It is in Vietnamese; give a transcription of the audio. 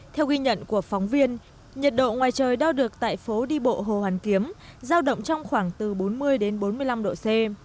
theo ghi nhận của phóng viên nhiệt độ ngoài trời đo được tại phố đi bộ hồ hoàn kiếm giao động trong khoảng từ bốn mươi đến bốn mươi năm độ c